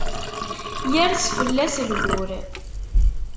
Yers fell-as lbur.